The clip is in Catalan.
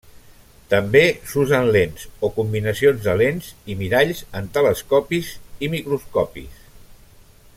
També s'usen lents, o combinacions de lents i miralls, en telescopis i microscopis.